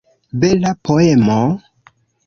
Bela poemo!